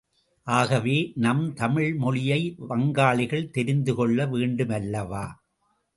ஆகவே நம் தமிழ் மொழியை வங்காளிகள் தெரிந்து கொள்ள வேண்டுமல்லவா?